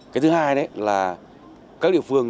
cái thứ hai đấy là các địa phương